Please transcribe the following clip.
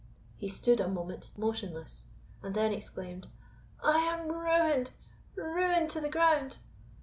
He stood a moment motionless, and then exclaimed, "I am ruined ruined to the ground!